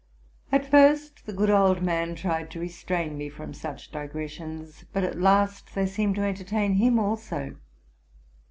At first the good old man tried to restrain me from such digressions, but at last they seemed to entertain him also.